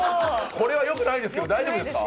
これはよくないですけど大丈夫ですか？